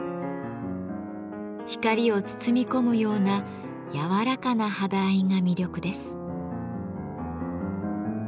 光を包み込むような柔らかな肌合いが魅力です。